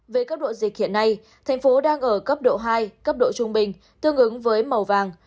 về cấp độ dịch hiện nay thành phố đang ở cấp độ hai cấp độ trung bình tương ứng với màu vàng